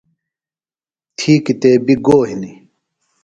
تھی کِتیبیۡ گو ہِنیۡ؟